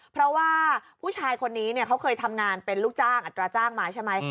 เพราะว่าผู้ชายคนนี้เขาเคยทำงานเป็นลูกจ้างอัตราจ้างมาใช่ไหม